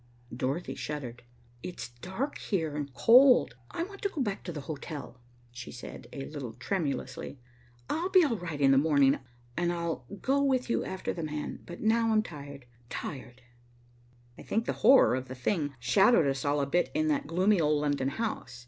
Dorothy shuddered. "It's dark here and cold. I want to go back to the hotel," she said a little tremulously. "I'll be all right in the morning, and I'll go with you after 'the man,' but now I'm tired tired." I think the horror of the thing shadowed us all a bit in that gloomy old London house.